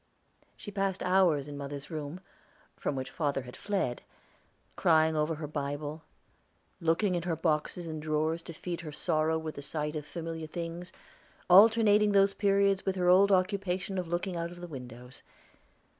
She passed hours in mother's room, from which father had fled, crying over her Bible, looking in her boxes and drawers to feed her sorrow with the sight of the familiar things, alternating those periods with her old occupation of looking out of the windows.